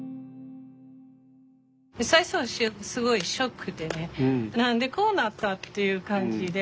最初はすごいショックでね何でこうなった？っていう感じで。